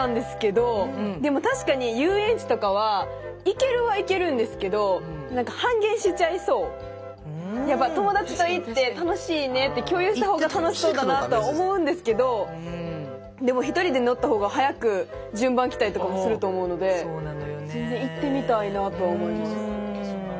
ってマインドなんですけどでも確かにやっぱ友達と行って楽しいねって共有した方が楽しそうだなとは思うんですけどでもひとりで乗った方が早く順番来たりとかもすると思うので全然行ってみたいなとは思います。